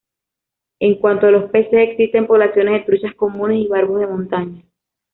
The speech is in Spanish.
En cuanto a los peces, existen poblaciones de truchas comunes y barbos de montaña.